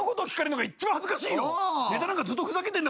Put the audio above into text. ネタなんかずっとふざけてんだからさ。